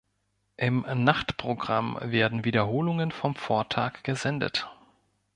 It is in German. Im Nachtprogramm werden Wiederholungen vom Vortag gesendet.